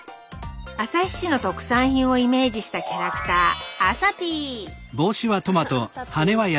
旭市の特産品をイメージしたキャラクターあさピー！